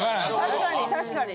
確かに確かに。